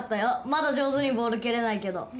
まだ上手にボール蹴れないけど。